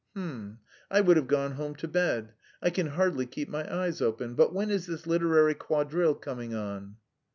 H'm! I would have gone home to bed... I can hardly keep my eyes open. But when is this 'literary quadrille' coming on?"